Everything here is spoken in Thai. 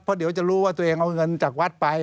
เพราะเดี๋ยวจะรู้ว่าตัวเองเอาเงินจากวัดไป